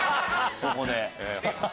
ここで。